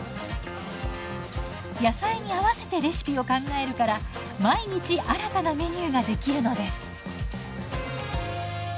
野菜に合わせてレシピを考えるから毎日新たなメニューができるのです。